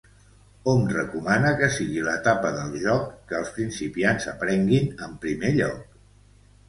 Hom recomana que sigui l'etapa del joc que els principiants aprenguin en primer lloc.